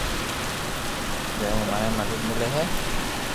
جي مون مني مدد ملي ھي